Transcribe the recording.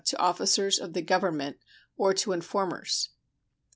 to officers of the Government or to informers.